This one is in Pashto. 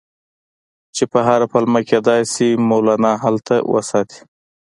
چې په هره پلمه کېدلای شي مولنا هلته وساتي.